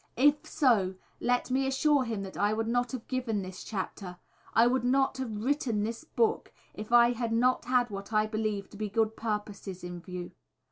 If so, let me assure him that I would not have given this chapter, I would not have written this book if I had not had what I believe to be good purposes in view.